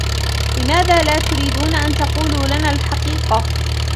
لماذا لا تريدون أن تقولوا لنا الحقيقة ؟